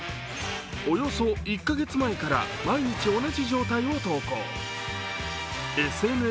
およそ１カ月前から毎日同じ状態を投稿。